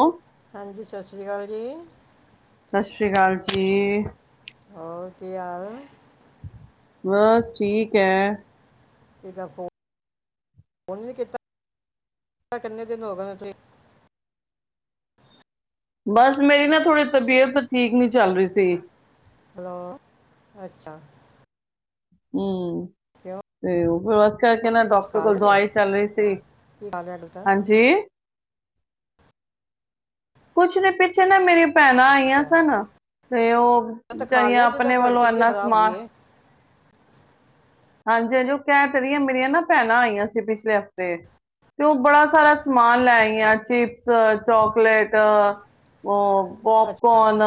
ਸਤਿ ਹਾਂਜੀ, ਸਸ ਰੀ ਕਾਲ ਜੀ। ਸਸ ਰੀ ਅਕਾਲ ਜੀ। ਹੋਰ ਕੀ ਹਾਲ ਬਸ ਠੀਕ ਹੈ। ਫੋ ਫੋਨ ਨ ਕੀਤਾ ਕਿੰਨੇ ਦਿਨ ਹੋ ਗਏ ਤੁਸੀਂ ਬਸ ਮੇਰੀ ਨਾ ਥੋੜ੍ਹੀ ਤਬੀਅਤ ਠੀਕ ਨਹੀਂ ਚੱਲ ਰਹੀ ਸੀ। ਹੈਲੋ, ਅੱਛਾ ਹੂੰ, ਕਿਉਂ ਤੇ ਉਹ ਫੇਰ ਓਸ ਕਰਕੇ ਨਾ ਕੁਛ ਡਾਕਟਰ ਖਾ ਕੋਲ ਲਿਆ ਸੀ ਦਵਾਈ ਚੱਲ ਰਹੀ ਸੀ, ਕੀ ਖਾ ਲਿਆ ਤੁਸੀਂ ਹਾਂਜੀ। ਕੁਛ ਨੀ ਪਿੱਛੇ ਨਾ ਮੇਰੀ ਭੈਣਾਂ ਆਈਆਂ ਅੱਛਾ ਸਨ ਤੇ ਉਹ ਮੈਂ ਤਾਂ ਖਾ ਲਿਆ ਵਿਚਾਰੀਆਂ ਜਦੋਂ ਆਪਣੇ ਤੁਹਾਡੀ ਵੱਲੋਂ ਤਬੀਅਤ ਇੰਨਾ ਖਰਾਬ ਹੋ ਗਈ ਸਮਾਨ ਹੈ ਹਾਂਜੀ-ਹਾਂਜੀ ਉਹ ਕਹਿ ਤੇ ਰੀਆਂ ਮੇਰੀਆਂ ਨਾ ਭੈਣਾਂ ਆਈਆਂ ਸੀ ਪਿਛਲੇ ਹਫ਼ਤੇ ਤੇ ਉਹ ਬੜਾ ਸਾਰਾ ਸਮਾ ਸਮਾਨ ਲੈ ਹਾਂ, ਆਈਆਂ ਚੀ ਚ ਚੌਕਲੇਟ ਦਾ ਉਹ ਅੱਛਾ ਪੋਪਕੋਨ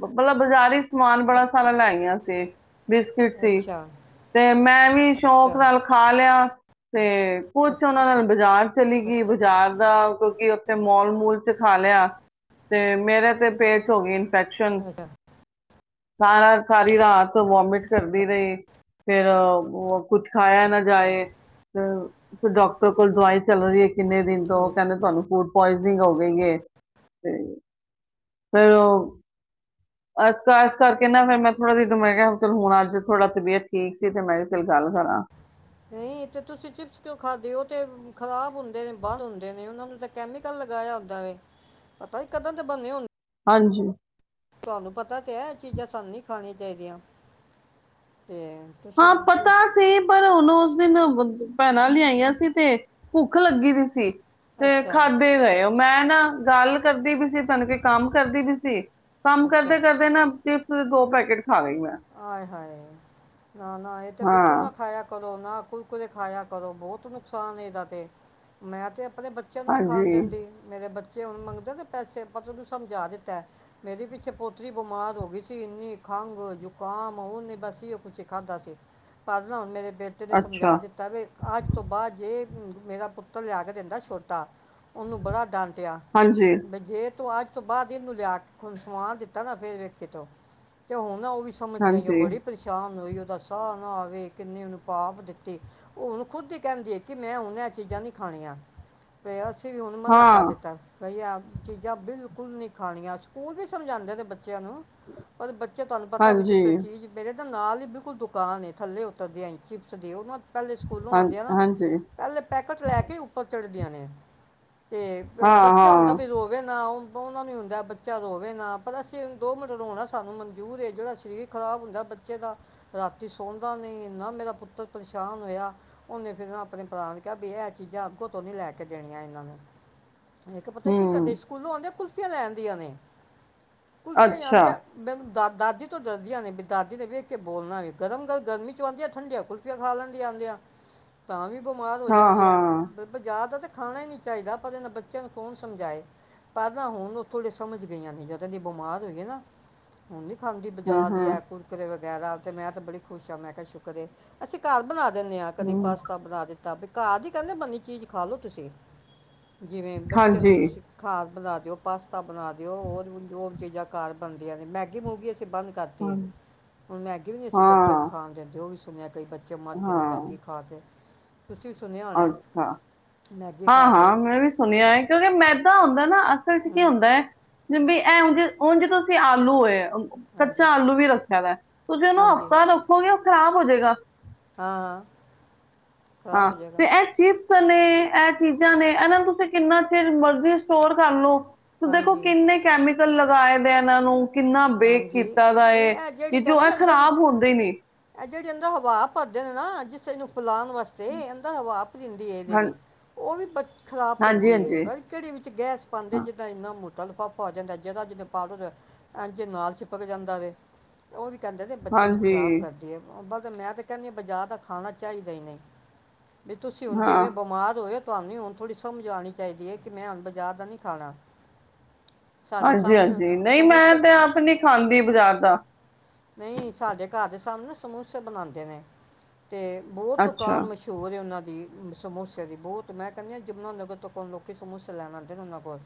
ਬ ਮਤਲਬ ਬਾਜ਼ਾਰੀ ਸਮਾਨ ਬੜਾ ਅੱਛਾ ਸਾਰਾ ਲੈ ਆਈਆਂ ਸੀ। ਬਿਸਕਿਟ ਸੀ ਅੱਛਾ ਤੇ ਮੈਂ ਵੀ ਅੱਛਾ ਸ਼ੌਕ ਨਾਲ ਖਾ ਲਿਆ। ਤੇ ਕੁਛ, ਅੱਛਾ ਉਹਨਾਂ ਅੱਛਾ ਨਾਲ ਬਾਜ਼ਾਰ ਚਲੀ ਗਈ, ਬਾਜ਼ਾਰ ਦਾ ਕਿਉਂਕਿ ਉੱਥੇ ਮੋਲ ਮ ਸਕੂਲ ਚ ਖਾ ਲਿਆ। ਤੇ ਮੇਰੇ ਤੇ ਪੇਟ ਚ ਹੋ ਗਏ ਨੇ। ਫੈਕਸ਼ਨ ਅੱਛਾ, ਸਾਰਾ, ਸਾਰੀ ਰਾਤ ਵੋਮਿਟ ਕਰਦੀ ਰਹੀ, ਫੇਰ ਕੁਛ ਖਾਇਆ ਨਾ ਜਾਏ ਅ ਫੇਰ ਡਾਕਟਰ ਕੋਲ ਦਵਾਈ ਚਲ ਰੀ ਏ ਕਿੰਨੇ ਦਿਨ ਤੋਂ ਓ ਠੀਕ ਕਹਿੰਦੇ ਤੁਹਾਨੂੰ ਫੂਡ ਪੌਇਜ ਪੌਇਜ਼ਨਿੰਗ ਹੋ ਗਈ ਐ। ਤੇ ਫਿਰ ਇਸ ਕਰ ਇਸ ਕਰਕੇ ਨਾ ਫਿਰ ਮੈਂ ਥੋੜਾ ਜਹੀ ਮੈਂ ਕਿਹਾ ਚਲ ਹੁਣ ਅੱਜ ਥੋੜਾ ਤਬੀਅਤ ਠੀਕ ਸੀ, ਤੇ ਮੈਂ ਕਿਹਾ ਚੱਲ ਗੱਲ ਕਰਾਂ। ਨਹੀਂ, ਤੇ ਤੁਸੀਂ ਚਿਪਸ ਕਿਉਂ ਖਾਦੇ ਹੋ ਤੇ ਖ਼ਰਾਬ ਹੁੰਦੇ ਨੇ ਬਾਹਰ ਹੁੰਦੇ ਨੇ, ਉਹਨਾਂ ਨੂੰ ਤਾਂ ਕੈਮੀਕਲ ਲਗਾਇਆ ਹੁੰਦਾ ਵੇ ਪਤਾ ਕਦੋਂ ਦੇ ਬਣੇ ਹੁੰਦੇ ਹਾਂਜੀ। ਤੁਹਾਨੂੰ ਪਤਾ ਤੇ ਹੈ ਐ ਚੀਜ਼ਾਂ ਸਾਨੂੰ ਨਈ ਖਾਣੀਆਂ ਚਾਹੀਦੀਆਂ। ਤੇ ਤੁਸੀਂ ਹਾਂ, ਪਤਾ ਕਿਉਂ- ਸੀ ਪਰ ਉਹਨੂੰ ਉਸ ਦਿਨ ਭੈਣਾਂ ਲਿਆਈਆਂ ਸੀ ਤੇ ਭੁੱਖ ਲੱਗੀ ਵੀ ਸੀ। ਤੇ ਅੱਛਾ ਖਾਧੇ ਗਏ ਮੈਂ ਨਾ ਗੱਲ ਕਰਦੀ ਵੀ ਸੀ ਤੁਹਾਨੂੰ ਕੇ ਕੰਮ ਕਰਦੀ ਵੀ ਸੀ ਕੰਮ ਕਰਦੇ ਅੱਛਾ ਤੇ ਦੋ ਪੈਕੇਟ ਖਾ ਗਈ ਮੈਂ ਆਏ ਹਾਏ ਨਾ ਨਾ ਏ ਤੇ ਬਿਲਕੁਲ ਹਾਂ ਨਾ ਖਾਇਆ ਕਰੋ ਨਾ ਕੁਰਕੁਰੇ ਖਾਇਆ ਕਰੋ ਬਹੁਤ ਨੁਕਸਾਨ ਇਹਦਾ ਤੇ ਮੈਂ ਤੇ ਆਪਣੇ ਬੱਚਿਆਂ ਨੂੰ ਨੀ ਹਾਂਜੀ ਖਾਣ ਦਿੰਦੀ ਮੇਰੇ ਬੱਚ [unintelligible] ਮੰਗਦਾ ਤੇ ਪੈਸੇ ਪਤਾ ਉਹਨੂੰ ਸਮਝਾ ਦਿੱਤਾ ਮੇਰੀ ਪਿੱਛੇ ਪੋਤਰੀ ਬਿਮਾਰ ਹੋ ਗਈ ਸੀ ਇੰਨੀ ਖੰਘ ਜੁ ਨੀ ਬਸ ਇਹੀ ਓ ਉਹ ਕੁਝ ਖਾਧਾ ਸੀ ਪਰਨਾ ਹੁਣ ਮੇਰੇ ਬੇਟੇ ਨੇ ਅੱਛਾ ਸਮਝਾ ਦਿੱਤਾ ਵੀ ਅੱਜ ਤੋਂ ਬਾਅਦ ਜੇ ਮੇਰਾ ਪੁੱਤਰ ਲਿਆ ਕੇ ਦਿੰਦਾ ਛੋਟਾ ਉਹਨੂੰ ਬੜਾ ਡਾਂਟਿਆ ਹਾਂਜੀ ਵੀ ਜੇ ਤੋਂ ਅੱਜ ਤੋਂ ਬਾਅਦ ਹੀ ਇਹਨੂੰ ਲਿਆ ਕੇ ਖਾਵਾ ਦਿੱਤਾ ਨਾ ਫੇਰ ਵੇਖੇ ਤੋ ਤੇ ਹੁਣ ਓ ਵੀ ਸਮਝ ਗਈ ਓ ਹਾਂਜੀ ਬੜੀ ਪਰੇਸ਼ਾਨ ਹੋਈ [unintelligible] ਸਾਹ ਨਾ ਆਵੇ ਕਿੰਨੀ ਉਹਨੂੰ ਭਾਫ ਦਿੱਤੀ ਓ ਹੁਣ ਖੁਦ ਹੀ ਕਹਿੰਦੀਏ ਕਿ ਮੈਂ ਹੁਣ ਐ ਚੀਜ਼ਾਂ ਨ ਵੀ ਹੁਣ ਮਨਾ ਕਰ ਹਾਂ ਦਿੱਤਾ ਬਈ ਆ ਚੀਜ਼ਾਂ ਬਿਲਕੁੱਲ ਨੀ ਖਾਣੀਆਂ ਸਕੂਲ ਵੀ ਸਮਝਾਉਂਦੇ ਨੇ ਬੱ ਚਿਆਂ ਨੂੰ ਪਰ ਬੱਚੇ ਤੁਹਾਨੂੰ ਪਤਾ ਹਾਂਜੀ ਚੀਜ਼ ਮੇਰੇ [unintelligible] ਨਾਲ ਹੀ ਬਿਲਕੁਲ ਦੁਕਾਨ ਏ ਥੱਲੇ ਉੱਤਰਦੇ ਆ ਈ ਚਿਪਸ ਦੇ ਓ ਪਹਿਲੇ ਸਕੂਲੋਂ ਹਾਂ ਆਉਂਦੇ ਆ ਨਾ ਹਾਂਜੀ ਪਹਿਲੇ ਪੈਕਟ ਲੈ ਕੇ ਉੱਪਰ ਚੜ ਦੀਆਂ ਨੇ ਤੇ ਹਾਂ ਬੱਚਾ ਹੁੰਦਾ ਹਾਂ ਵੀ ਰੋਵੇ ਨਾ ਓ ਓਨਾ ਨੂੰ ਹੀ ਹੁੰਦਾ ਬੱਚਾ ਰੋਵੇ ਨਾ ਪਰ ਅਸੀਂ ਦੋ ਮਿੰਟ ਰੋਣਾ ਸਾਨੂੰ ਮਨਜ਼ੂਰ ਏ ਜਿਹੜਾ ਸਰੀਰ ਖ਼ਰਾਬ ਹੁੰਦਾ ਬੱਚੇ ਦਾ, ਰਾਤੀ ਸੌਦਾ ਨਹੀਂ। ਨਾ ਮੇਰਾ ਪੁੱਤਰ ਪਰੇਸ਼ਾਨ ਹੋਇਆ। ਉਹਨੇ ਫਿਰ ਆਪਣੇ ਭਰਾ ਨੂੰ ਕਿਹਾ ਇਹ ਚੀਜ਼ਾਂ ਅੱਗੋਂ ਤੋਂ ਨੀ ਲਿਆ ਕੇ ਦੇਣੀਆਂ ਇਹਨਾਂ ਨੂੰ। ਪਤਾ ਕੀ ਕਦੇ ਹੂੰ ਸਕੂਲੋਂ ਆਉਂਦੇ ਲੈਣਦੀਆਂ ਨੇ ਅੱਛਾ [inaudible] ਦਾਦੀ ਡਰਦੀਆਂ ਨੇ ਵੀ, ਦਾਦੀ ਨੇ ਵੇਖ ਕੇ ਬੋਲਣਾ ਵੀ, ਗਰਮ ਗ ਗਰਮੀ ਚ ਆਉਂਦੀ ਆ ਠੰਡੀਆਂ ਕੁਲਫੀਆਂ ਖਾ ਲੰਦੀਆਂ ਆਉਂਦੇ ਆ ਤਾਂ ਵੀ ਬਿਮਾਰ ਹੋ ਹਾਂ ਜਾਂਦੀ ਹੈ ਹਾਂ ਜ਼ਿਆਦਾ ਤੇ। ਖਾਣਾ ਨੀ ਚਾਹੀਦਾ। ਪਰ ਇਹਨਾਂ ਬੱਚਿਆਂ ਨੂੰ ਕੌਣ ਸਮਜਾਏ ਪਰ ਨਾ ਹੁਣ ਥੋੜੇ ਸਮਜ ਗਈਆਂ ਨੇ ਜਦੋ ਦੀ ਬਿਮਾਰ ਹੋਏ ਨਾ ਹੁਣ ਨੀ ਖਾਂਦੀ ਹੂੰ ਜਾਦੀ ਹੂੰ ਹੈ ਕੁੁਰਕਰੇ ਵਿੱਚ ਮੈਂ ਤਾਂ ਬੜੀ ਖੁਸ਼ ਆ ਮੈਂ ਕਿਹਾ, ਸ਼ੁਕਰ ਹੈ। ਅਸੀਂ ਘਰ ਬਣਾ ਦਿੰਦੇ ਹਾਂ ਕਦੀ ਹੂੰ, ਪਾਸਤਾ ਬਣਾ ਦਿੰਦੇ ਘਾਹ ਦੀ ਕਹਿੰਦੇ ਬਨੀ ਚੀਜ਼ ਖਾ ਲੋਓ ਤੁਸੀਂ ਜਿਵੇਂ ਬੱਚਿਆਂ ਨੂੰ ਹਾਂਜੀ ਤੁਸੀਂ ਘਾਰ ਬਣਾ ਜੋ ਪਾਸ ਪਾਸਤਾ ਬਣਾ ਦਿਓ ਉਹ ਚੀਜ਼ਾਂ ਘਰ ਬਣਦੀਆਂ ਨੇ, ਮੈਗੀਮੂਗੀ ਅਸੀਂ ਬੰਦ ਕਰਦੇ ਹਾਂ ਆ ਹੁਣ ਮੈਗੀ ਵੀ ਨੀ, ਅਸੀਂ ਬੱਚਿਆਂ ਨੂੰ ਹਾਂ ਖਾਣ ਦਿੰਦੇ ਉਹ ਵੀ [unintelligible] ਕਈ ਬੱਚੇ ਮਰਦੇ ਨੇ ਹਾਂ, ਮੈਗੀ ਖਾਕੇ। ਅੱਛਾ ਮੈਗੀ ਹਾਂ ਖਾ ਕੇ ਹਾਂ, ਮੈਂ ਵੀ ਸੁਣਿਆ ਹੈ ਕਿਉਂਕਿ ਮੈਦਾ ਹੁੰਦਾ ਨਾ। ਅਸਲ ਚ ਕੀ ਹੂੰ ਹੁੰਦਾ ਹ ਵੀ ਏ ਉਂਝ-ਉਂਝ ਤੁਸੀਂ ਆਲੂ ਵੇ ਕੱਚਾ ਹਾਂਜੀ ਆਲੂ ਵੀ ਰੱਖਿਆ ਦਾ, ਤੁਸੀਂ ਉਹਨੂੰ ਹਾਂਜੀ ਹਫ਼ਤਾ ਰੱਖੋਗੇ। ਖਰਾਬ ਹੋ ਜਾਏਗਾ। ਹਾਂ, ਹਾਂ ਖਰਾਬ ਹਾਂ, ਹੋ ਤੇ ਜਾਏਗਾ ਐ ਚੀ ਨੇ, ਇਹ ਚੀਜ਼ਾਂ ਨੇ, ਇਹਨਾਂ ਨੂੰ ਤੁਸੀਂ ਕਿੰਨਾ ਚਿਰ ਮਰਜ਼ੀ ਸਟੋਰ ਕਰ ਲੋ। ਤ ਦੇਖੋ ਹਾਂਜੀ ਕਿੰਨੇ ਕੈਮਿਕਲ ਲਗਾਏ ਦੇ ਇਹਨਾਂ ਨੂੰ। ਕਿੰਨਾ ਬੇਕ ਹਾਂਜੀ ਕੀਤਾ ਦਾ ਨਹੀਂ ਏ ਇਹ ਜਿਹੜੀ ਕਿ ਜੋ ਹੈ ਖ਼ਰਾਬ ਹੁੰਦੇ ਹੀ ਨੀ ਜਿਹੜੇ ਅੰਦਰੋ ਹਵਾ ਭਰਦੇ ਨੇ, ਨਾ ਜਿਸੇ ਨੂੰ ਫਿਲਾਉਣ ਵਾਸਤੇ ਅੰਦਰ ਹਵਾ ਪਰੀ ਹੁੰਦੀ ਹੈ। ਏਦੇ ਹਾਂ ਵਿਚ ਉਹ ਵੀ ਬ ਖਰਾਬ ਹਾਂਜੀ ਕਰਦੀ ਹੈ, ਹਾਂਜੀ ਪਤਾ ਨੀ ਕੇਡੀ ਵਿੱਚ ਗੈਸ ਪਾਉਂਦੇ ਹਾਂ, ਜਿੱਦਾਂ ਇੰਨਾ ਮੋਂ [unintelligible] ਇੰਜ ਨਾਲ ਚਿਪਕ ਜਾਂਦਾ ਵੇ, ਉਵੀ। ਕਹਿੰਦੇ ਨੇ ਬੱਚੇ ਨੂੰ ਖ਼ਰਾਬ ਹਾਂਜੀ ਕਰਦੀ ਹੈ ਮੈਂ ਤੇ ਕਹਿੰਦੀ ਹਾਂ ਬਾਜ਼ਾਰ ਦਾ ਖਾਣਾ ਚਾਹੀਦਾ ਹੀ ਨਹੀਂ ਵੀ ਤੁਸੀਂ ਹੁਣ ਹਾਂ ਜਿਵੇਂ ਬਿਮਾਰ ਹੋਏ ਹੋ ਤੁਹਾਨੂੰ ਹੁਣ ਥੋੜੀ ਸਮਝ ਆਉਣੀ ਚਾਹੀਦੀ ਹੈ ਕਿ ਮੈਂ ਹੁਣ ਬਾਜ਼ਾਰ ਦਾ ਨੀ ਖਾਣਾ ਸਾਡੇ ਹਾਂਜੀ ਸਾਹਮਣੇ ਹਾਂਜੀ ਨਹੀਂ ਮੈਂ ਸਮੋਸੇ ਤੇ ਆਪ [unintelligible] ਨੀ ਖਾਂਦੀ ਬਾਜ਼ਾਰ ਦਾ ਸਾਨ ਸਮੋਸੇ ਬਣਾਉਂਦੇ ਨੇ ਅਤੇ ਬਹੁਤ ਅੱਛਾ ਦੁਕਾਨ ਮਸ਼ਹੂਰ ਹੈ ਉਹਨਾਂ ਦੀ ਦੀ ਸਮੋਸਿਆ ਦੀ ਬਹੁਤ ਮੈਂ ਕਹਿੰਦੀ ਹਾਂ ਜਮੁਨਾ ਨਗਰ ਤੋਂਣ ਲੋਕੀ ਸਮੋਸੇ ਲੈਣ ਆਉਂਦੇ ਨੇ ਉਹਨਾਂ ਕੋਲ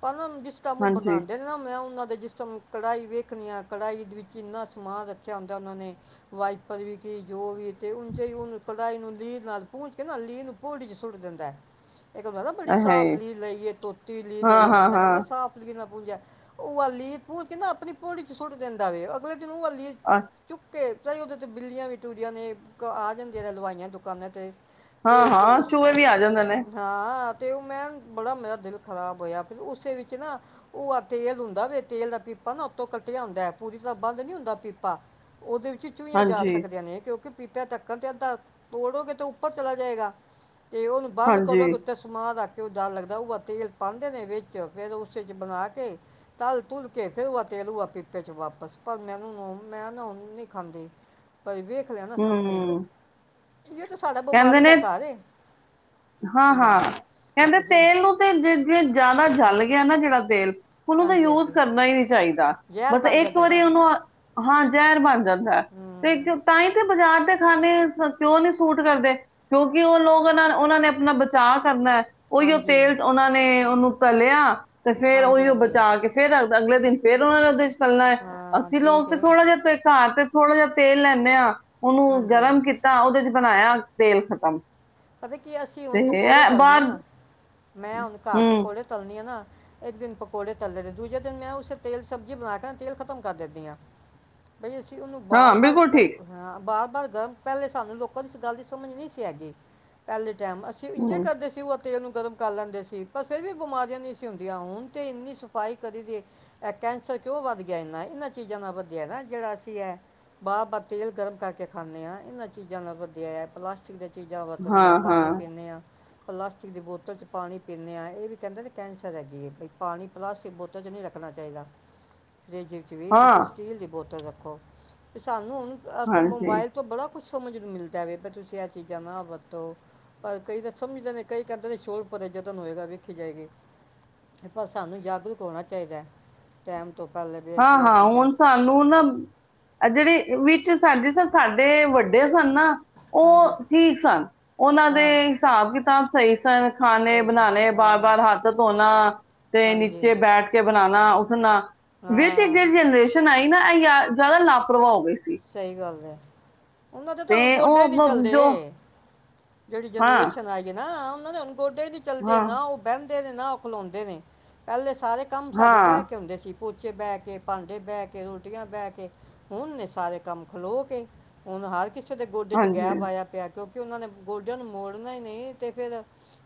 ਪਰ ਉਹ ਜਿਸ ਕੰਮ ਬ ਹਾਂਜੀ, ਵਦਉਂਦੇ ਨਾ ਮੈਂ ਉਹਨਾਂ ਜਿਸ ਟਾਈਮ ਕੜਾਈ ਵੇਖਣੀ ਆ ਕੜਾਈ ਦੇ ਵਿੱਚ ਇੰਨਾ ਸਮਾਨ ਰੱਖਿਆ ਹੁੰਦਾ ਉਹਨਾਂ ਨੇ ਵਾਈਪਰ ਵੀ ਕੀ ਜੋ ਵੀ ਤੇ ਉ ਉਹਨੂੰ ਕੜਾਈ ਨੂੰ ਲੀਹ ਨਾਲ ਪੂੰਝ ਕੇ ਨਾ ਲੀਹ ਨੂੰ ਭੋੜ ਚ ਸੁੱਟ ਦਿੰਦਾ ਹੈ ਇੱਕ ਹੁੰਦਾ ਨਾ ਤੁਹਾਡੀ ਇਹ ਹੈ ਸਾਫ ਈ, ਲੀਲ ਲਈ ਹ ਤੋਤੀ ਲੀ ਲਈ ਬੰਦਾ ਕਹਿੰਦਾ ਹਾਂ-ਹਾਂ-ਹਾਂ, ਸਾਫ ਲੀ ਪੂੰਜ ਉਹ ਆ ਲੀ ਪੂੰਜ ਕੇਹ ਨਾ ਆਪਣੀ ਪੋੜੀ ਚ ਸੁੱਟ ਦਿੰਦਾ ਵਵੇ ਤੂੰ ਅਲੀ ਅ ਚੁਕੇ ਤਾਂ ਉਹਦੇ ਤੇ ਬਿੱਲੀਆਂ ਵੀ ਟੂਰੀਆਂ ਨੇ ਆ ਜਾਂਣ ਜੜ ਲਵਾਈਆਂ ਦੁਕਾਨਾਂ ਤੇ ਤੇ ਹਾਂ-ਹਾਂ ਉਸ ਚੂਹੇ ਵੀ ਆ ਜਾਂਦੇ ਨੇ, ਹਾਂ ਤੇ ਉਹ ਮੈਂ ਬੜਾ ਮੇਰਾ ਦਿਲ ਖਰਾਬ ਹੋਇਆ ਫਿਰ ਉਸੇ ਵਿੱਚ ਨਾ ਉਹ ਆ ਤੇਲ ਹੁੰਦਾ ਵੇ ਤੇਲ ਦਾ ਪੀਪਾ ਨਾ ਉੱਤੋਂ ਕੱਟਿਆ ਹੁੰਦਾ ਪੂਰੀ ਬੰਦ ਨੀ ਹੁੰਦਾ ਪੀਪਾ ਉਹਦੇ ਵਿੱਚ ਚੂਈਆਂ ਜਾ ਸਕਦੀਆਂ ਨੇ ਕਿਉਂਕਿ ਪੀਪਿਆ ਢੱਕਣ ਤੇ ਅੱਧਾ ੜੋਗੇ ਤੇ ਉੱਪਰ ਚਲਾ ਜਾਏਗਾ ਅਤੇ ਹੁਣ ਬੰਦ ਹਾਂਜੀ-ਹਾਂਜੀ, ਕਰਦੋਂ ਕਿਤੇ ਸਮਾ ਦਾ ਘਿਓ ਡਰ ਲੱਗਦਾ ਉਹ ਤੇਲ ਪਾਉਂਦੇ ਨੇ ਵਿੱਚ ਫਿਰ ਉਸ ' ਬਣਾ ਕੇ ਤਲ ਧੁਲ ਕੇ ਫਿਰ ਉਹ ਤੇਲ ਉਆ ਪੀਪੇ 'ਚ ਵਾਪਸ ਮੈਂ ਉਹਨੂੰ ਨਹੀਂ ਖਾਂਦੇ ਭਾਈ ਵੇਖ ਹੋਇਆ ਨਾ ਸਾਹਮਣੇ ਹੂੰ, ਇਹ ਤਾਂ ਸਾਡਾ ਕਹਿੰਦੇ ਬਿਮਾਰੀ ਨੇ ਦਾ ਘਰ ਹੈ ਹਾਂ ਕਿੰਨਾ ਹਾਂ ਕਹਿੰਦੇ ਆ ਜਿਹੜੇ ਤੇਲ ਨੂੰ ਤੇ ਜੇ ਜੇ ਜ਼ਿਆਦਾ ਜਲ ਹਮ, ਗਿਆ ਨਾ ਜਿਹੜਾ ਤੇਲ ਹੁਣ ਉਹ ਦਾ ਹਾਂਜੀ ਯੂਜ ਹਾਂਜੀ ਕਰਨਾ ਹੀ ਨਹੀਂੀਦਾ ਜ਼ਹਿਰ ਬਸ ਬਣ ਇੱਕ ਜਾਂਦਾ ਵਾਰੀ ਨਾ ਉਹਨੂੰ ਹਾਂ ਜ਼ਹਿਰ ਬਣ ਜਾਂਦਾ ਤੇ ਹਮ, ਤਾਂ ਹੀ ਤੇ ਬਾਜ਼ਾਰ ਖਾਣੇ ਕਿਉਂ ਨੀ ਸੂਟ ਕਰਦੇ ਕਿਉਂਕਿ ਉਹ ਲੋਕ ਉਹਨਾਂ ਉਹਨਾਂ ਨੇ ਆਪਣਾ ਬਚਾਅ ਕਰਨਾ ਹੈ ਉਹੀ ਉਹ ਹਾਂਜੀ ਤੇਲ ਉਹਨਾਂ ਨੇ ਉਹਨੂੰ ਦਲਿਆ ਤੇ ਫੇਰ ਹਾਂਜੀ ਉਹੀ ਉਹ ਹਾਂਜੀ ਬਚਾ ਕੇ ਫੇਰ ਅਗਲੇ ਦਿਨ ਫੇਰ ਉਹਨਾਂ ਨੇਦੇ ਹਾਂ ਅਸੀਂ ਠੀਕ ਲੋਕ ਤੇ ਹੈ ਥੋੜਾ ਜਿਹਾ ਤੇ ਘਰ ਤੇ ਥੋੜ੍ਹਾ ਜਿਹਾ ਤੇਲ ਲੈਂਦੇ ਹਾਂ ਉਹਨੂੰ ਹਾਂਜੀ ਗਰਮ ਕੀਤਾ ਉਹਦੇ ਚ ਬਣਾਇਆ ਤੇਲ ਖ਼ਤਮ ਪਤਾ ਕੀ ਅਸੀਂ ਹੁਣ ਪਕੌੜੇ ਤਲਦੀ ਆ ਨਾ ਹੁਣ ਘਰ ਪਕੌੜੇ ਤਲ ਨੇ ਆ ਨਾ ਇੱਕ ਦਿਨ ਪਕੌੜੇ ਤਲੇ ਨੇ ਦੂਜ ਦਿਨ ਮੈਂ ਉਸ ਸਬਜ਼ੀ ਬਣਾ ਕੇ ਤੇਲ ਖਤਮ ਕਰ ਦਿੰਦੀ ਹਾਂ ਬਈ ਅਸੀਂ ਉਹਨੂੰ ਬਾਰ ਬਾਰ ਬਰ ਪਰ ਗਰਮ ਪਹਿਲੇ ਸਾਨੂੰ ਲੋਕਾਂ ਦੀ ਇਸ ਗੱਲ ਦੀ ਸਮਝ ਨਹੀਂ ਸੀ ਹੈਗੀ ਪਹਿਲੇ ਟਾਈਮ ਅਸੀਂ ਇੰਜ ਕਰਦੇ ਸੀ ਉਹ ਤੇਲ ਨੂੰ ਗਰਮ ਕਰ ਲੈਂਦੇ ਸੀ ਪਰ ਫਿਰ ਵੀ ਬਿਮਾਰੀਆਂ ਨਹੀਂ ਸੀ ਹੁੰਦੀਆਂ ਹੁਣ ਤੇ ਇੰਨੀ ਸਫ਼ਾਈ ਕਰੀ ਦੀ ਇਹ ਕੈਂਸਰ ਕਿਉਂ ਵੱਧ ਗਿਆ ਇਨਾ ਇਹਨਾਂ ਚੀਜ਼ਾਂ ਨਾਲ ਵਧਿਆ ਨਾ ਜਿਹੜਾ ਅਸੀਂ ਇਹ ਬਾਰ ਵਾਰ ਤੇਲ ਗਰਮ ਕਰਕੇ ਖਾਂਦੇ ਹਾਂ ਇਹਨਾਂ ਚੀਜ਼ਾਂ ਨਾਲ ਵਧਿਆ ਹੈ ਪਲਾਸਟਿਕ ਦੀਆਂ ਚੀਜ਼ਾਂ ਵਧ ਦੇ ਹਾਂ ਪਾਣੀ ਪੀਂਦੇ ਹਾਂ ਪਲਾਸਟਿਕ ਦੀ ਬੋਤਲ ' ਪਾਣੀ ਪੀਂਦੇ ਹਾਂ ਇਹ ਵੀ ਕਹਿੰਦੇ ਕੈਂਸਰ ਹੈਗੀ ਪਾਣੀ ਪਲਾਸਟਿਕ ਬੋਤਲ ' ਨਹੀਂ ਰੱਖਣਾ ਚਾਹੀਦਾ ਫਰਿੱਜ ਵਿੱਚ ਵੀ ਤੁਸੀਂ ਸਟੀਲ ਦੀ ਬੋਤਲ ਰੋ ਕਿਸ ਹੁਣ ਅ ਹਾਂਜੀ ਮੋਬਾਇਲ ਤੋਂ ਬੜਾ ਕੁਛ ਸਮਝ ਨੂੰ ਮਿਲਦਾ ਤੁਸੀਂ ਚੀ ਕਣਾ ਹੋ ਪਰ ਕਈ ਤਾਂ ਸਮਝਦੇਦੇ ਕਈ ਕਹਿੰਦੇ ਨੇ ਸ਼ੋਦ ਪਰ ਯਤਨ ਹੋਏਗਾ ਵੇਖੀ ਜਾਏਗੀ ਪਰ ਸਾਨੂੰ ਜਾਗਰੂਕ ਹੋਣਾ ਚਾਹੀਦਾ ਟਮ ਹਾਂ ਹਾਂ ਹੁਣ ਸਾਨੂੰ ਨਾ ਜਿਹੜੇ ਵੀ ਸਾਂਜੀ ਸਰ ਸਾਡੇ ਵੱਡੇ ਸਨ ਨਾ ਹਾਂਜੀ ਉਹ ਠੀਕ ਸਨ ਉਹਨਾਂ ਦੇ ਹਾਂ ਹਿਸਾਬ ਕਿਤਾਬ ਸਹੀ ਸਨ ਖਾਣੇ ਸਹੀ ਸਹੀ ਬਣਾਣੇ ਬਾਰ ਹਾਂ ਬਾਰ ਹੱਥ ਧੋਣਾ ਤੇ ਹਾਂਜੀ ਨੀਚੇ ਬੈਠ ਕੇ ਬਣਾਣਾ ਖ ਨਾ ਵਿੱਚ ਇੱਕ ਹਾਂ ਜਿਹੜੀ ਜਨਰੇਸ਼ਨ ਆਈ ਨਾ ਇਹ ਯ ਜ਼ਿਆਦਾ ਲਾਪਰਵਾਹ ਹੋ ਗਏ ਸੀ ਸਹੀ ਗੱਲ ਹੈ ਉਹਨਾਂ ਦੇ ਤਾਂ ਤੇ ਹੁਣ ਗੋਡੇ ਉਹ ਹੀ ਨਹੀ ਬ- ਜੋ ਚੱਲਦੇ ਜਿਹੜੀ ਹਾਂ ਜਨਰੇਸ਼ਨ ਆਗੀ ਨਾ [unintelligible] ਗੋਡੇ ਨ ਚੱਲਦੇ ਹਾਂ ਨਾ ਉਹ ਬਹਿੰ ਨੇ ਨਾ ਉਹ ਖਲਉਂਦੇ ਨੇ ਪਹਿਲੇ ਸਾਰੇ ਕੰਮ ਸਾਡੇ ਬਹਿ ਹਾਂ ਕੇ ਆਉਂਦੇ ਸੀ ਪੋਚੇ ਬਹਿ ਕੇ ਭਾਂਡੇ ਬਹਿ ਕੇ ਰੋਟੀਆਂ ਬਹਿ ਕੇ ਹੁਣ ਨੇ ਸਾਰੇ ਕੰਮ ਖਲੋ ਕੇ ਹੁਣ ਹਰ ਕਿਸੇ ਦੇ ਗੋਡੇ ਚ ਹਾਂਜੀ ਗੈਬ ਆਇਆ ਕਿ ਉਹਨਾਂ ਨੇ ਗੋਡਿਆਂ ਨੂੰ ਮੋੜਨਾ ਹੀ ਨਹੀਂ ਅਤੇ ਫਿਰ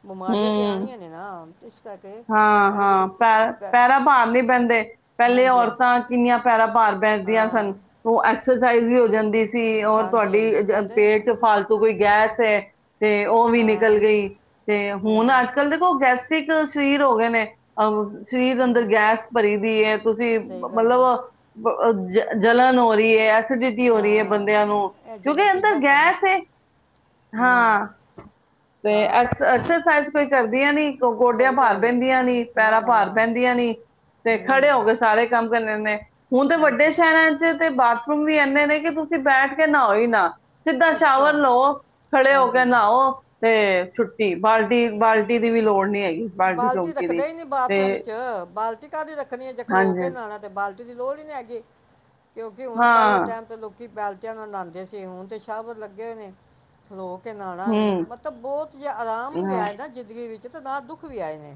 ਬਿਮਾਰੀਆਂ ਤੇ ਹਮ ਆਣੀਆਂ ਨੇ ਨਾ ਇਸ ਕਰਕੇ ਹਾਂ ਹਾਂ ਪਹਿਲੀ ਪੈ ਪੈਰਾ ਪਹਿ- ਭਾਰ ਨੀ ਪੈਂਦੇ ਪਹਿਲੇ ਹਾਂਜੀ ਹਾਂ, ਔਰਤਾਂ ਕਿੰਨੀਆਂ ਪੈਰਾਾਂ ਭਾਰ ਬੈਦੀਆਂ ਸਨ ਹਾਂ ਉਹ ਐਕਸਰਸਾਈਜ਼ ਵੀ ਹੋ ਜਾਂਦੀ ਸੀ ਔਰ ਹਾਂਜੀ ਤੁਹਾਡੀ ਹਾਂਜੀ ਕਹਿੰਦੇ ਪੇਟ ਚ ਫਾਲਤੂ ਤੂੰ ਕੋਈ ਗੈਸ ਹੈ ਤੇ ਉਹ ਵੀ ਨਿਕਲ ਹਾਂ ਗਈ ਹੁਣ ਹੂੰ ਅੱਜ ਕੱਲ ਦੇਖੋ ਸਸਟਿਕ ਸਰੀਰ ਹੋ ਗਏ ਨੇ ਅਹ ਸਰੀਰ ਅੰਦਰ ਹੂੰ ਗੈਸ ਭਰੀ ਵੀਤ ਤੁਸੀਂ ਸਹੀ ਗੱਲ ਹੈ ਮਤਲਬ ਜ ਜਲਣ ਹੋ ਰਹੀ ਹੈ। ਐਸੀਡਿਟੀ ਹੋ ਰਹੀ ਹੈ। ਹਾਂ ਬੰਦਿਆਂ ਨੂੰ ਇਹ ਜਿਹੜਾ ਕਿਉਂਕਿ ਅੰਦਰ ਚੀਜ਼ਾਂ ਖ- ਗੈਸ ਹੂੰ ਹਾਂ, ਤੇ ਤਾਂ ਤਾਂ ਐਕਸਰਸਾਈਜ਼ ਕੋਈ ਕਰਦੀਆਂ ਨੀ ਗੋਡਿਆਂ ਸਹੀ ਭਾਰ ਗੱਲ ਹੈ ਪੈਂਦੀਆਂ ਨੀ ਨਾ ਪੈਰਾਂ ਨਾ ਭਾਰ ਨਾ ਪੈਂਦੀਆਂ ਨੀ ਤੇ ਖੜੇ ਨਹੀਂ ਹੋ ਗਏ ਸਾਰੇ ਕੰਮ ਨੇ ਹੁਣ ਤੇ ਵੱਡੇ ਹਾਂਜੀ ਸ਼ਹਿਰਾਂ ਚ ਤੇ ਬਾਥਰੂਮ ਵੀ ਇੰਨੇ ਨੇ ਕਿ ਤੁਸੀਂ ਬੈਠ ਕੇ ਨਾਹਾਓ ਹੀ ਨਾ ਸਿੱਧਾ ਸ਼ਾਵਰ ਅੱਛਾ ਲਓ ਖੜੇ ਹੋ ਕੇ ਹਾਂਜੀ ਨਹਾਓ ਤੇ ਛੱਟ ਤੇ ਬਾਲਟੀ ਬਾਲਟੀ ਦੀ ਵੀ ਲੋੜ ਨਹੀਂ ਹੈਗੀ ਬਾਲਟੀ ਚੌਂਕੀ ਦੀ ਰੱਖਦਾ ਹੀ ਨੀ ਤੇ ਬਾਥਰੂਮ ਵਿੱਚ ਬਾਲਟੀ ਕਾਹਦੀ ਰੱਖਣੀ ਹੈ ਜੇ ਖਲੋ ਕੇ ਹਾਂਜੀ ਨਣਾ ਤੇ ਬਾਲਟੀ ਦੀ ਲੋੜ ਹੀ ਨਹੀਂ ਹੈਗੀ ਕਿਉਂਕਿ ਹੁਣ ਪਹਿਲੇ ਹਾਂ ਟਾਈਮ ਲੋਕੈਲ ਨਾਲ ਲਾਉਂਦੇ ਸੀ ਹੁਣ ਤੇ ਸ਼ਬ ਲੱਗੇ ਨੇ ਲੋਕ ਕੇ ਨਾਲਣਾ ਹੂੰ ਵ ਮਤਲਬ ਬਹੁਤ ਜਿ ਆਰਾਮ ਵੀ ਹਾਂ ਆਏ ਨਾ ਜ਼ਿੰਦਗੀ ਵਿੱਚ ਜ ਤਦ ਦਾ ਦੁੱਖ ਕੁੁੱਖ ਵੀ ਆਏ ਨੇ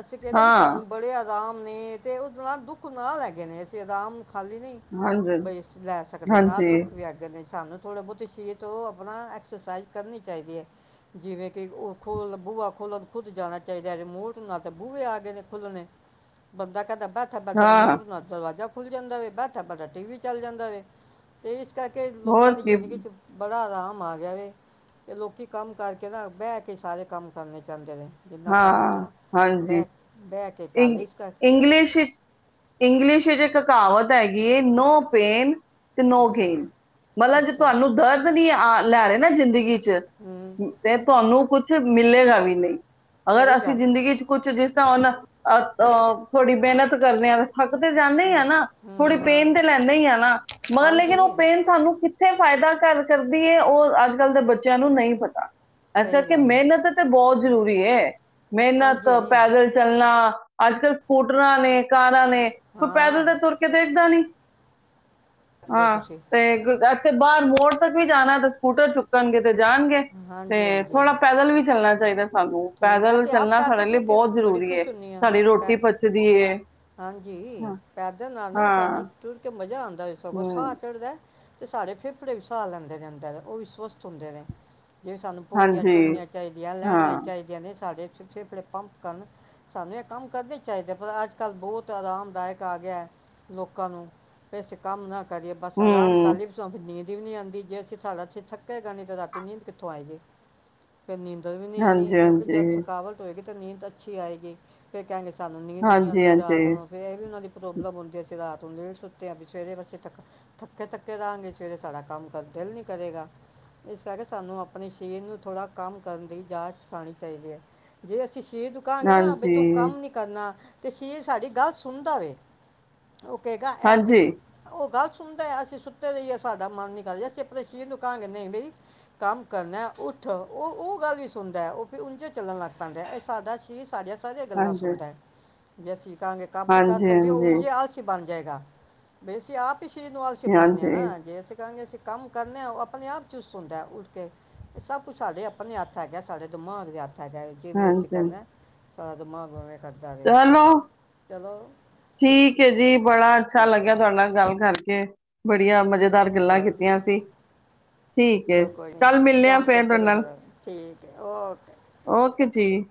ਅਸੀਂ ਕਹਿੰਦੇ ਵੀ ਹਾਂ ਸਾਨੂੰ ਬੜੇ ਰਾਮ ਨੇ ਤੇ ਉਹਦੇ ਨਾਲ ਦੁੱਖ ਨਾ ਲੈ ਗਏ ਨੇ ਅਸੀਂ ਰਰਾਮ ਖਾਲੀ ਨਹੀਂ ਹਾਂਜੀ ਬਈ ਅਸੀਂ ਲੈ ਸਕਦੇ ਨਾਹ ਹਾਂਜੀ ਦੁੱਖ ਵੀ ਅੱਗੇ ਨੇ ਸਾਨੂੰ ਥੋੜ੍ਹੀ ਬਹੁਤੀ ਸੀਰ ਤੋਂ ਆਪਣਾ ਐਕਸਰਸਾਈਜ਼ ਕਰਨੀ ਚਾਹੀਦੀ ਹੈ ਜਿਵੇਂ ਕਿ ਉਹ ਖੋਲਣ ਬੂਆ ਖੋਲਣ ਖੁੱਦ ਜਾਣਾ ਚਾਹੀਦਾ ਰਿਮੋਟ ਨਾ ਤਾਂ ਬੂਹੇ ਆ ਗਏ ਨੇ ਖੁੱਲਣੇ ਬੰਦਾ ਕਹਿੰਦਾ ਥਬ ਥਰ ਮੋ ਹਾਂ ਨ ਦਰਵਾਜਾ ਖੁੱਲ ਜਾਂਦਾ ਵ ਬਬਾ ਟੀ ਵੀ ਚੱਲ ਜਾਂਦਾ ਵ ਤੇ ਕਰਕੇ ਹੋਰ ਲੋਕਾਂ ਦੀ ਕੀ ਜ਼ਿੰਦਗੀ ਚ ਬੜ ਬੜਾ ਆਰਾਮ ਆ ਗਿਆ ਵ ਤੇ ਲੋਕੀ ਕੰਮ ਕਰਕੇ ਨਾ ਬਹਿ ਕੇ ਸਾਰੇ ਕੰਮ ਕਰਨੇ ਗਾਂਜ ਹੈ ਜਿੰਨਾ ਕੰਮ ਹੁੰਦਾ ਕੇ ਇ ਕਾਲਜ ਕਰ ਇੰਗਲਿਸ਼ ਵਿੱਚ ਇੰਗਲਿਸ਼ ਵਿੱਚ ਕਾਵਤ ਹੈਗੀ ਹੈ ਨੋ ਪੇਨ ਤੇ ਨੋ ਅੱਛਾ ਗੇਮ ਮਤਲਬ ਜੇ ਅੱਛਾ ਤੁਹਾਨੂੰ ਦਰਦ ਨਹੀਂ ਆਉਣ ਲੈ ਰਹੇ ਨਾ ਜ਼ਿੰਦਗੀ ਚ ਹੂੰ ਤੇ ਤੁਹਾਨੂੰ ਕੁੱਛ ਕੁ ਮਿਲੇਗਾ ਵੀ ਨਹੀਂ ਅਗਰ ਸਹੀ ਅਸੀਂ ਗੱਲ ਹੈ। ਜ਼ਿੰਦਗੀ 'ਚ ਕੁਛ ਜਿਸ ਤਾਂ ਨਾ ਅ ਅਹ ਥੋੜ੍ਹੀ ਮਿਹਨਤ ਕਰਨ ਆ ਥੱਕ ਤੇ ਜਾਂਦੇ ਹੂੰ ਆ ਨਾ ਹੂੰ, ਥੋੜ੍ਹੀ ਹੂੰ ਹਾਂ ਪੇਨ ਤੇ ਲੈਂਦੇ ਹੀ ਆ ਨਾ ਮਗਰ ਲੇਕਿਨ ਉਹ ਹਾਂਜੀ ਪੇਨ ਸਾਨੂੰ ਕਿੱਥੇ ਫਾਇਦਾ ਘ ਕਰਦੀ ਉਹ ਅੱਜ ਕੱਲ੍ਹ ਦੇ ਬੱਚਿਆਂ ਨੂੰ ਨਹੀਂ ਪਤਾ ਇਸ ਸਹੀ ਕਰਕੇ ਗੱਲ ਮਿਹਨਤ ਤਾਂ ਬਹੁਤ ਜ਼ਰੂਰੀ ਹੈ ਮਿਹਨਤ ਹਾਂਜੀ ਹਾਂਜੀ, ਪੈਦਲ ਚੱਲਣਾ ਅੱਜ ਕੱਲ੍ਹ ਸਕੂਟਰਾਂ ਨੇ ਕਾਰ ਨੇ ਤੂੰ ਪੈਦਲ ਹਾਂ ਤੇ ਤੁਰ ਕੇ ਦੇਖਦਾ ਨੀ ਦੇ ਹਾਂ ਤੁਸੀਂ ਤੇ ਬਾਹਰ ਮੋੜ ਤੱਕ ਵੀ ਜਾਣਾ ਤੇ ਸਕੂਟਰ ਚੁੱਕਣਗੇ ਤੇ ਜਾਣਗੇ ਤੇ ਹਾਂਜੀ ਹਾਂਜੀ ਥੋੜਾ ਪੈਦਲ ਵੀ ਚੱਲਣਾ ਚਾਹੀਦਾ ਸਾਨੂੰ ਤੇ ਮੈਂ ਪੈਦਲ ਤੇ ਆਪ ਚੱਲਣਾ ਸਾਡੇ ਪੈਦਲ ਲਈ ਤੁਰ ਕੇ ਬਹੁਤ ਬੜੀ ਜ਼ਰੂਰੀ ਹੈ ਖੁਸ਼ ਹੁੰਨੀ ਸਾਡੀ ਰੋਟੀ ਪਚਦੀ ਹੈ ਹਾਂਜੀ ਹਾਂ ਪੈਦਲ ਆ ਨਾ ਹਾਂ ਸਾਨੂੰ ਟੁੁਰ ਕੇ ਮਜ਼ਾ ਆਉਂਦਾ ਵੀ ਸਗੋਂ ਸਾਹ ਹੂੰ ਚੜਦਾ ਅਤੇ ਸਾਰੇੇ ਫੇਫੜੇ ਵੀ ਸਾਹ ਲੈਂਦੇ ਨੇ ਅੰਦਰ ਉਹ ਸਵਸਥ ਹੁੰਦੇ ਨੇ ਜਿਵੇਂ ਸਾਨੂੰ ਪੋੜੀਆਂ ਹਾਂਜੀ ਚੜਨੀਆਂ ਚਾਹੀਦੀਆਂ ਲੈਣੀਆਂ ਹਾਂ ਨਹੀ ਸਾਡੇ ਪਿਛੇ ਜਿਹੜੇ ਪੰਪ ਸਨ। ਸਾਨੂੰ ਇਹ ਕੰਮ ਕਰਨੇ ਚਾਹੀਦੇ, ਪਰ ਅੱਜ ਕੱਲ੍ਹ ਬਹੁਤ ਆਰਾਮਦਾਇਕ ਆ ਗਿਆ ਲੋਕਾਂ ਨੂ ਕਿ ਅਸੀਂ ਕੰਮ ਨਾ ਕਰੀਏ ਬਸ ਆਰਾਮ ਕਰ ਹੂੰ ਲਇਏ, ਬਸ ਅਪਨੀ ਨੀਂਦ ਨੀਂਦ ਨਹੀਂ ਆਉਂਦੀ, ਜੇ ਅਸੀਂ ਸਾਰਾ ਦਿਨ ਥੱਕੇਗਾ ਨਹੀਂ ਤੇ ਰਾਤੀਂ ਨੀਂਦ ਕਿਥੋ ਆਏਗੀ। ਫਿਰ ਨੀਂਦਰ ਵੀ ਨਹੀਂ ਆਣੀ। ਹਾਂਜੀ ਕਿਉਂਕਿ, ਜਦ ਹਾਂਜੀ ਥਕਾਵਟ ਹੋਏਗ ਤੇ ਨੀਂਦ ਅੱਛੀ ਆਏਗੀ, ਫਿਰ ਕਹਣਗੇ ਸਾਨੂੰ ਨੀਂਦ ਨਹੀਂ ਹਾਂਜੀ ਆਉਂਦੀ ਰਾਤ ਹਾਂਜੀ ਨੂੰ ਫਿਰ ਇਹ ਵੀ ਉਹਨਾਂ ਦੀ ਪ੍ਰੋਬਲਮ ਹੁੰਦੀ ਅਸੀਂ ਰਾਤ ਲੇਟ ਸੁੱਤੇ ਆ ਵੀ ਸਵੇਰੇ ਬਸੇ ਥੱਕੇ ਥੱਕੇ ਰਹਾਂਗੇ, ਸਵੇਰੇ ਸਾਡਾ ਕੰਮ ਕਰਨ ਦਾ ਦਿਲ ਨਹੀਂ ਕਰੇਗਾ। ਇਸ ਕਰਕੇ ਸਾਨੂੰ ਅਪਣੇ ਸਰੀਰ ਨੂੰ ਥੋੜ੍ਹਾ ਕੰਮ ਕਰਨ ਦੀ ਜਾਚ ਸਿਖਾਉਣੀ [inaudible] ਦੇ ਏਨੁ ਕਹਾਂਗੇ ਨਾ ਭੀ ਤੂੰ ਹਾਂਜੀ ਕੰਮ ਨੀ ਕਰਨਾ ਤੇ ਸਰੀਰ ਸਾਡੀ ਗੱਲ ਸੁਣਦਾ ਵੇ। ਉਹ ਕਹੇਗਾ ਐ ਭੀ ਹਾਂਜੀ ਔ ਗਲ ਸੁਣ ਸੁਣਦਾ, ਅਸੀਂ ਸੁੱਤੇ ਰਹਿਏ ਸਾਡਾ ਮਨ ਨਹੀਂ ਕਰਦਾ। ਅਸੀ ਅਪਣੇ ਸ਼ਰੀਰ ਨੂੰ ਕਹਾਂਗੇ, ਨਹੀਂ ਬਈ ਕੰਮ ਕਰਨਾ ਉੱਠ ਉਹ -ਉਹ ਗੱਲ ਵੀ ਸੁਣਦਾ ਉਹ ਫਿਰ ਉਂਝੇ ਚੱਲਣ ਲੱਗ ਪੈਂਦਾ, ਇਹ ਸਾਡਾ ਸ਼ਰੀਰ ਸਾਡੀਆਂ ਸਾਰੀਆਂ ਗੱਲਾਂ ਹਾਂਜੀ ਸੁਣਦਾ। ਜੈਸੀ ਕਰਾਂਗੇ ਕੰਮ ਵੀ ਕਰ ਹਾਂਜੀ ਸਕਦੇ ਹੋ ਹਾਂਜੀ ਉਂਝੇ ਹੀ ਆਲਸੀ ਬਣ ਜਾਏਗਾ, ਵੈਸੀ ਆਪ ਸਰੀਰ ਨੂੰ ਆਲਸੀ ਬਣਾਂਣੇ ਆ ਹਾਂਜੀ ਨਾ ਜੇ ਅਸੀ ਕਹਾਂਗੇ ਅਸੀਂ ਕੰਮ ਕਰਨੇ ਆ ਉਹ ਅਪਣੇ ਆਪ ਚੁਸਤ ਹੁੰਦਾ ਉੱਠ ਕੇ ਇਹ ਸਭ ਕੁਛ ਸਾਡੇ ਅਪਣੇ ਹੱਥ ਹੈਗਾ ਸਾਡੇ ਦਿਮਾਗ ਦੇ ਹੱਥ। ਹੈਗਾ ਕਿਵੇਂ ਅਸੀਂ ਹਾਂਜੀ ਕਰਨਾ ਸ਼ਾਇਦ [unintelligible] ਕਰਦਾ ਵੇ ਚਲੋ ਚਲੋ ਠੀਕ ਜੀ। ਬੜਾ ਅੱਛਾ ਲੱਗਿਆ ਹੈ ਤੁਹਾਡੇ ਨਾਲ ਗੱਲ ਕਰਕੇ। ਬੜੀਆਂ ਮਜ਼ੇਦਾਰ ਗੱਲਾਂ ਚਲੋ ਜੀ ਕੀਤੀਆਂ ਅਸੀ, ਠੀਕ ਹੈ ਚਲੋ ਕੋਈ ਕੱਲ ਨੀ, ਮਿਲਣੇ ਆ ਯਾਦ ਫੇਰ ਕਰਦੇ ਤੁਹਾਡੇ ਰਿਆ ਨਾਲ ਕਰੋ ਠੀਕ ਹੈ। ਓਕੇ। ਓਕੇ ਜੀ